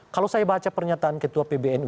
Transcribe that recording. kalau saya baca pernyataan ketua pbnu